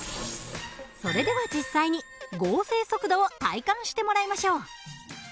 それでは実際に合成速度を体感してもらいましょう。